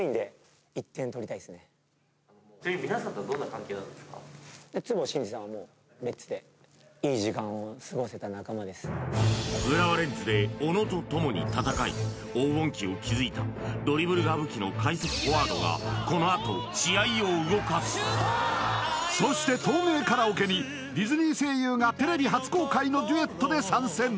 これは止めた浦和レッズで小野と共に戦い黄金期を築いたドリブルが武器の快速フォワードがこのあとそして透明カラオケにディズニー声優がテレビ初公開のデュエットで参戦